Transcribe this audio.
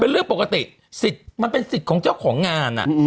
เป็นเรื่องปกติมันเป็นสิทธิ์ของเจ้าของงานอะ